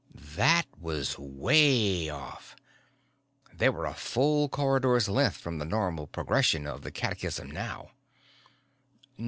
That was way off. They were a full corridor's length from the normal progression of the catechism now.